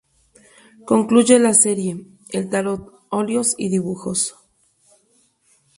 Concluye la serie "El Tarot, óleos y dibujos".